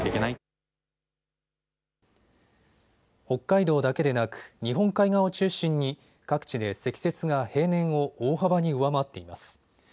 北海道だけでなく、日本海側を中心に各地で積雪が平年を大幅に上回っています。